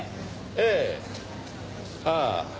ええ。ああ。